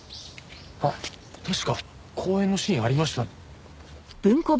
あっ確か公園のシーンありました。